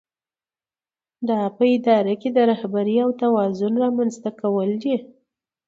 دا په اداره کې د رهبرۍ او توازن رامنځته کول دي.